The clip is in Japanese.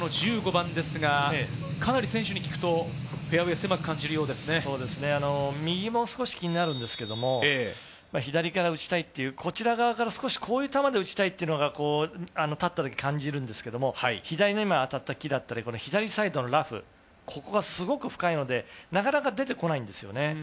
１５番ですが、かなり選手に聞くと、フェアウエー狭く感じるよう右も少し気になるんですけど、左から打ちたいっていう、こちら側から打ちたい、こういう球で打ちたいとなったときに感じるんですけど、左に当たった木だったり、左サイドのラフ、すごく深いので、なかなか出てこないんですよね。